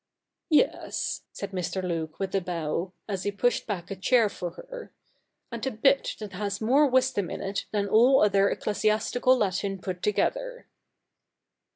' Yes,' said Mr. Luke with a bow, as he pushed back a chair for her, ' and a bit that has more wusdom in it than all other ecclesiastical Latin put together.'